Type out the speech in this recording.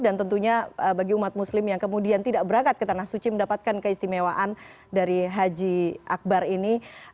dan tentunya bagi umat muslim yang kemudian tidak berangkat ke tanah suci mendapatkan keistimewaan dari haji akbar ini